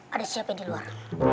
ada siapa di luar